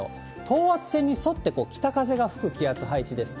等圧線に沿って、北風が吹く気圧配置です。